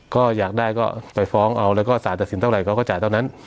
ก็อยากได้ก็ไปฟ้องเอาแล้วก็สารตัดสินเท่าไหร่เขาก็จ่ายเท่านั้น